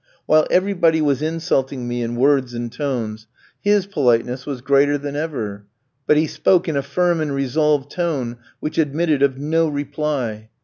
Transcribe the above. While everybody was insulting me in words and tones, his politeness was greater than ever; but he spoke in a firm and resolved tone which admitted of no reply.